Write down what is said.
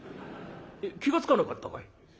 気が付かなかったかい？」。